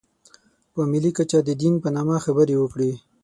په ملي کچه د دین په نامه خبرې وکړي.